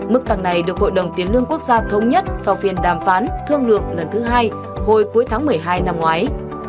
mức tăng này được hội đồng tiến lương quốc gia thống nhất sau phiên đàm phán thương lượng lần thứ hai hồi cuối tháng một mươi hai năm ngoái